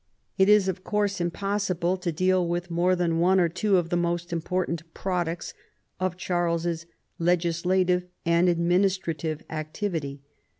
It is of course impossible to deal with more than one or two of the most important products of Charles's legislative and administrative activity.